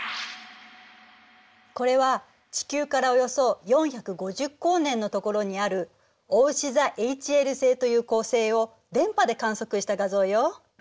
これは地球からおよそ４５０光年のところにあるおうし座ＨＬ星という恒星を電波で観測した画像よ。